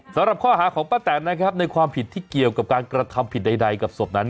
สำหรับข้อหาของป้าแตนนะครับในความผิดที่เกี่ยวกับการกระทำผิดใดกับศพนั้น